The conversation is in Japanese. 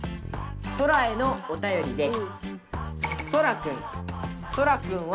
ソラへのおたよりです。